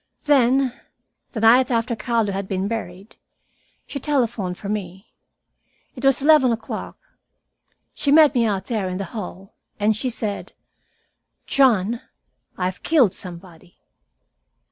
"Then, the night after Carlo had been buried, she telephoned for me. It was eleven o'clock, She met me, out there in the hall, and she said, 'John, I have killed somebody.'